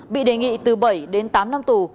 bị đề nghị từ bảy đến tám năm tù